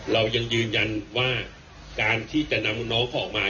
เรายังยืนยันว่าการที่จะนำน้องเขาออกมา